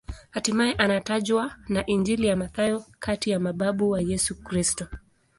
Hatimaye anatajwa na Injili ya Mathayo kati ya mababu wa Yesu Kristo.